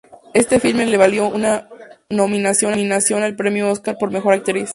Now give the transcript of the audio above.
Este filme le valió una nominación al premio Oscar por mejor actriz.